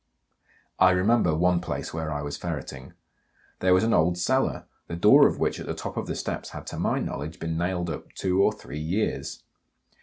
I remember one place where I was ferreting. There was an old cellar, the door of which at the top of the steps had to my knowledge been nailed up two or three years.